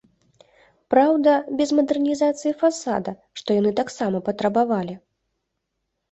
Праўда, без мадэрнізацыі фасада, што яны таксама патрабавалі.